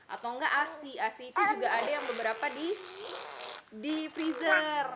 atau gak asipi juga ada yang beberapa di freezer